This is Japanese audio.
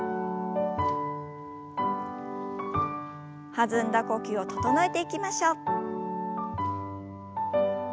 弾んだ呼吸を整えていきましょう。